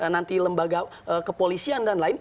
nanti lembaga kepolisian dan lain